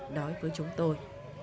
nói với chúng tôi